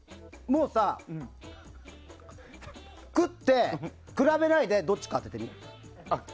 もう食って比べないでどっちか言って。